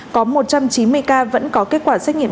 có một trăm chín mươi ca vẫn có kết quả xét nghiệm